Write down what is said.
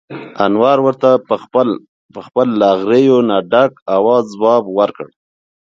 انور ورته په خپل له غريو نه ډک اواز ځواب ور کړ: